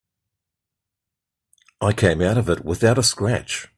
I came out of it without a scratch.